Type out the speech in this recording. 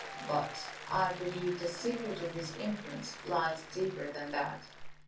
But I believe the secret of his influence lies deeper than that.